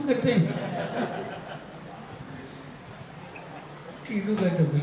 ya istiqoroh saya itu ya pakai air